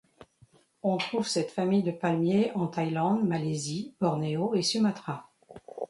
On trouve cette famille de palmiers en Thaïlande, Malaisie, Bornéo et Sumatra.